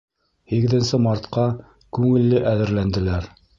Һигеҙенсе мартҡа күңелле әҙерләнделәр.